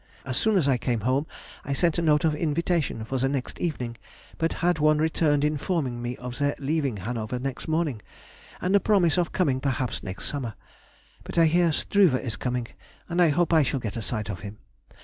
As soon as I came home I sent a note of invitation for the next evening, but had one returned informing me of their leaving Hanover next morning, and a promise of coming perhaps next summer. But I hear Struve is coming, and I hope I shall get a sight of him.